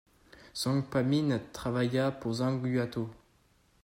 Song Panmin travailla pour Zhang Guotao.